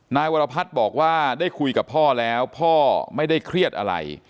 นายวรพัฒน์บอกว่าได้คุยกับพ่อแล้วพ่อไม่ได้เครียดอะไร